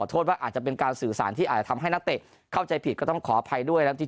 โทษว่าอาจจะเป็นการสื่อสารที่อาจจะทำให้นักเตะเข้าใจผิดก็ต้องขออภัยด้วยแล้วที่